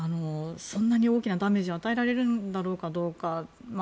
そんなに大きなダメージを与えられるのかどうか。